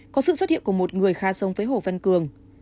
có sự xuất hiện của một người khá sống với hồ văn cường